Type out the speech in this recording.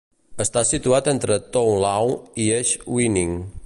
Està situat entre Tow Law i Esh Winning.